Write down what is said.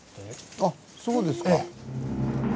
あっそうですか。